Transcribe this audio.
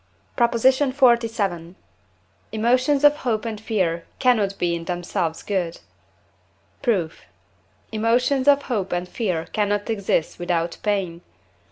PROP. XLVII. Emotions of hope and fear cannot be in themselves good. Proof. Emotions of hope and fear cannot exist without pain.